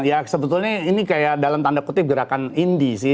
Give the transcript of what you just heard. ya sebetulnya ini kayak dalam tanda kutip gerakan indi sih